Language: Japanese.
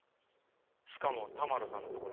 しかも田丸さんのところにも。